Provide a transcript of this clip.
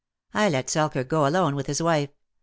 "I let Selkirk go alone, with his wife.